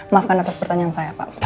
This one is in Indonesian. maafkan atas pertanyaan saya pak